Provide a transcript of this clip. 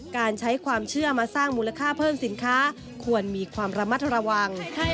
การใช้ความเชื่อมาสร้างมูลค่าเพิ่มสินค้าควรมีความระมัดระวัง